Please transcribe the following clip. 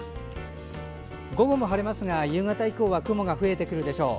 午後も晴れますが、夕方以降は雲が増えてくるでしょう。